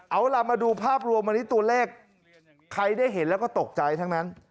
เอาล่ะมาดูภาพรวมวันนี้ตัวเลขใครได้เห็นแล้วก็ตกใจทั้งนั้น